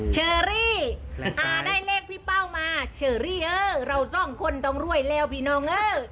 เชอรี่ได้เลขพี่เป้ามาเชอรี่เออเราสองคนต้องรวยแล้วพี่น้องเออ